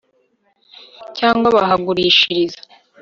cyangwa bahagurishiriza